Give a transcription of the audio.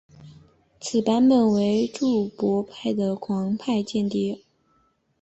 此版本为注博派的狂派间谍。